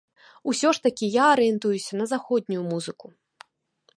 Усё ж такі, я арыентуюся на заходнюю музыку.